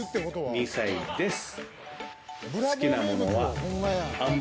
２歳です。